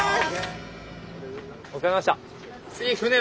お疲れさまでした！